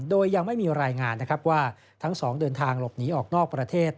โดยยังไม่มีรายงานนะครับว่าทั้งสองเดินทางหลบหนีออกนอกประเทศ